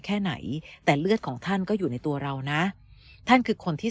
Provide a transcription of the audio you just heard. แค่ไหนแต่เลือดของท่านก็อยู่ในตัวเรานะท่านคือคนที่